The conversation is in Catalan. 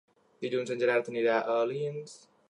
Dilluns en Gerard anirà a Alins.